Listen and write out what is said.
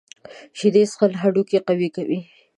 شیدې څښل هډوکي قوي کوي.